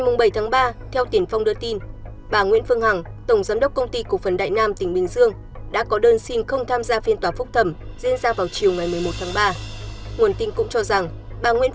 tòa án đã trự tập bà nguyễn phương hằng tại tp hcm quyết định đưa vụ án bà nguyễn phương hằng và các đồng phạm ra xét xử phúc thẩm vào chiều một mươi một tháng ba